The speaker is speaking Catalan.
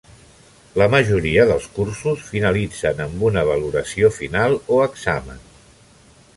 La majoria dels cursos finalitzen amb una valoració final o examen.